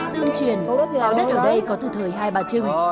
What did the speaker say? tương truyền đất ở đây có từ thời hai bà trưng